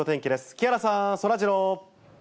木原さん、そらジロー。